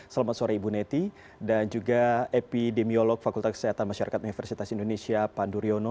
selamat sore ibu neti dan juga epidemiolog fakultas kesehatan masyarakat universitas indonesia pandu riono